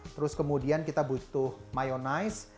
terus kemudian kita butuh mayonize